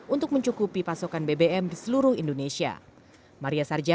untuk mencukupi pasokan bbm di seluruh indonesia